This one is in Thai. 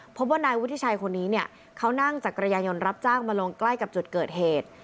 พบว่านายวุฒิชัยคนนี้เนี่ยเขานั่งจักรยานยนต์รับจ้างมาลงใกล้กับจุดเกิดเหตุ